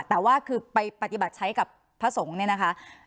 แต่ว่าคือไปปฏิบัติใช้กับพระสงฆ์เนี่ยนะคะ